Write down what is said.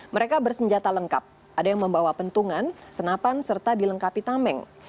mereka bersenjata lengkap ada yang membawa pentungan senapan serta dilengkapi tameng